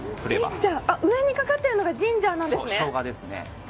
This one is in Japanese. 上にかかっているのがジンジャーなんですね。